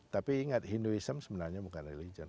tapi ingat hinduism sebenarnya bukan religion